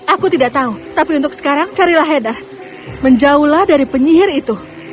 aku tidak tahu tapi untuk sekarang carilah heather menjauhlah dari penyihir itu